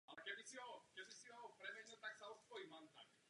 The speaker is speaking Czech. Nachází se na východě České Kamenice.